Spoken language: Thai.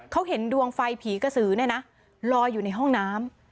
เขาเห็นดวงไฟผีกระสือเนี่ยนะลอยอยู่ในห้องน้ำ